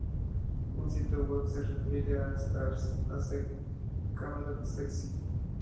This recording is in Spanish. Un sitio web se refiere a que "Starz hace Camelot sexy".